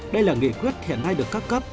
đây là nghị quyết hiện nay được các cấp